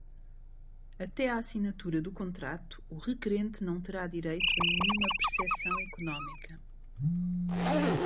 Até a assinatura do contrato, o requerente não terá direito a nenhuma percepção econômica.